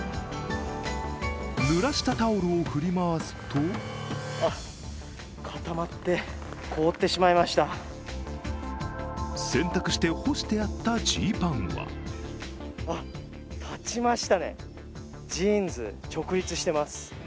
ぬらしたタオルを振り回すと洗濯して干してあったジーパンはあっ、立ちましたね、ジーンズ。